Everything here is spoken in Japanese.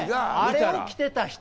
あれを着てた人。